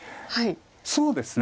そうですね。